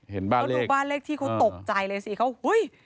เห็นบ้านเลขบ้านเลขที่เขาตกใจเลยฮู้ย